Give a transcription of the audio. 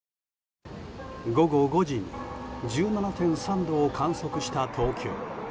午後５時に１７．３度を観測した東京。